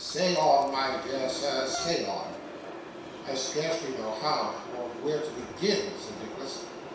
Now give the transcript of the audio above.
'Say on, my dear sir, say on.' 'I scarcely know how, or where, to begin,' said Nicholas.